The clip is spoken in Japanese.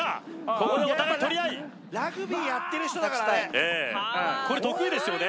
ここでお互い取り合いラグビーやってる人だからねこれ得意ですよね